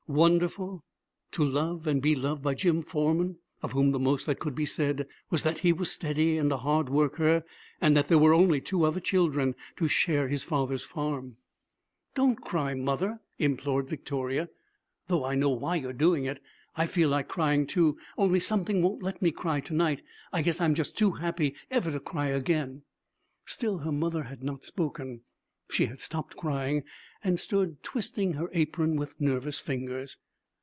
Wonderful! To love and be loved by Jim Forman, of whom the most that could be said was that he was steady and a hard worker, and that there were only two other children to share his father's farm! 'Don't cry, mother,' implored Victoria, 'though I know why you're doing it. I feel like crying, too, only something won't let me cry to night. I guess I'm just too happy ever to cry again.' Still her mother had not spoken. She had stopped crying and stood twisting her apron with nervous fingers.